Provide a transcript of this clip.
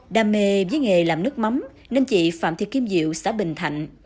đam mê với nghề làm nước mắm nên chị phạm thị kim diệu xã bình thạnh